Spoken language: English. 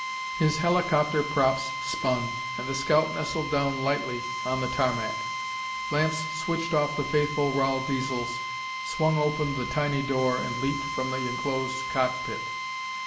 His helicopter props spun, and the scout nestled down lightly on the tarmac. Lance switched off the faithful Rahl Diesels, swung open the tiny door and leaped from the enclosed cockpit.